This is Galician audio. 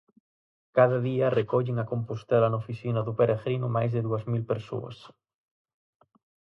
Cada día, recollen a Compostela na oficina do peregrino máis de dúas mil persoas.